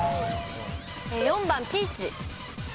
４番ピーチ。